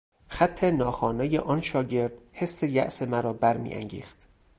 خط ناخوانای آن شاگرد حس یاس مرا برمیانگیخت.